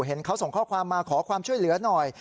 เห็นเขาส่งข้อความมาขอความช่วยเหลือหน่อย